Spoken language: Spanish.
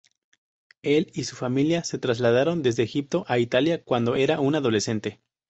Él y su familia se trasladaron desde Egipto a Italia cuando era un adolescente.